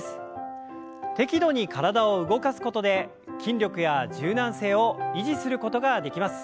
適度に体を動かすことで筋力や柔軟性を維持することができます。